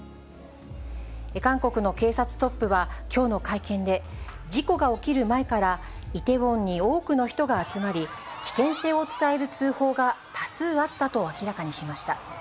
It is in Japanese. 韓国の警察トップはきょうの会見で、事故が起きる前からイテウォンに多くの人が集まり、危険性を伝える通報が多数あったと明らかにしました。